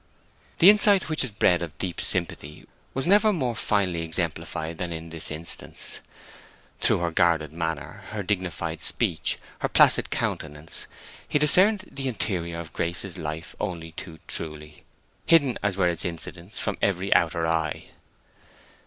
The insight which is bred of deep sympathy was never more finely exemplified than in this instance. Through her guarded manner, her dignified speech, her placid countenance, he discerned the interior of Grace's life only too truly, hidden as were its incidents from every outer eye.